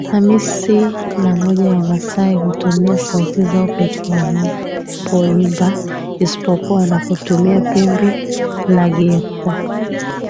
Hamsini na moja Wamasai hutumia sauti zao pekee wanapoimba isipokuwa wanapotumia pembe la Greater